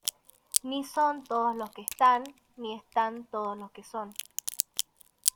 Ni son todos los que están, ni están todos los que son